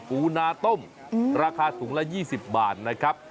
ปูนาต้มราคาถุงละ๒๐บาทนะครับ